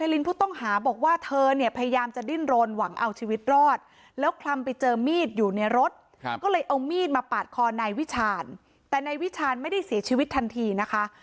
ลงมีดมาปาดคอในวิชาญแต่ในวิชาญไม่ได้เสียชีวิตทันทีค่ะ